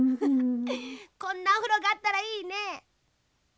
こんなおふろがあったらいいね。